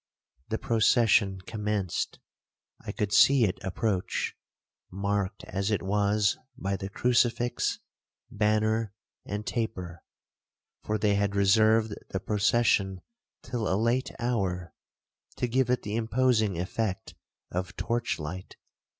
The procession commenced. I could see it approach, marked as it was by the crucifix, banner, and taper—(for they had reserved the procession till a late hour, to give it the imposing effect of torch light.)